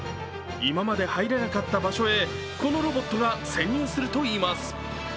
今まで入れなかった場所へこのロボットが潜入するといいます。